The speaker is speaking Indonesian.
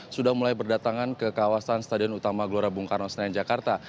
sudah mulai berdatangan ke kawasan stadion utama gelora bung karno senayan jakarta